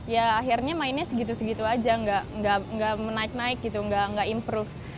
ya akhirnya mainnya segitu segitu aja nggak menaik naik gitu nggak improve